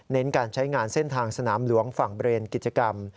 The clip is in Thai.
การใช้งานเส้นทางสนามหลวงฝั่งเบรนด์กิจกรรม